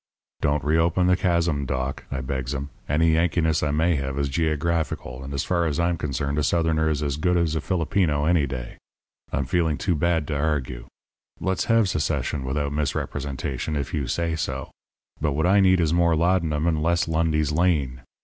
"'Don't reopen the chasm, Doc,' I begs him. 'Any Yankeeness I may have is geographical; and, as far as I am concerned, a Southerner is as good as a Filipino any day. I'm feeling to bad too argue. Let's have secession without misrepresentation, if you say so; but what I need is more laudanum and less Lundy's Lane.